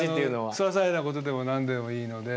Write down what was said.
ささいなことでも何でもいいので。